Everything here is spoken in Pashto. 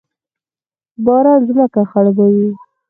باران ځمکه خړوبوي